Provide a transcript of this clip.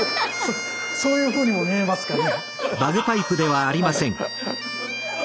そそういうふうにも見えますかね。